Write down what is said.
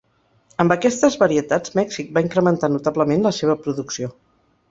Amb aquestes varietats, Mèxic va incrementar notablement la seva producció.